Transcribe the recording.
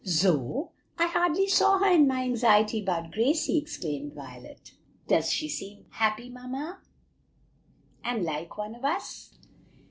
"Zoe! I hardly saw her in my anxiety about Gracie!" exclaimed Violet. "Does she seem happy, mamma, and like one of us?"